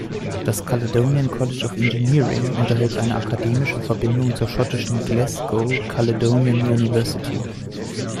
Das Caledonian College of Engineering unterhält eine akademische Verbindung zur schottischen Glasgow Caledonian University.